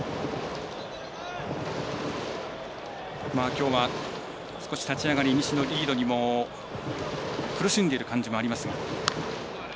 きょうは立ち上がり西のリードにも苦しんでいる感じもありましたが。